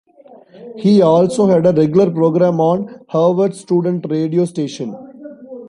He also had a regular program on Harvard's student radio station.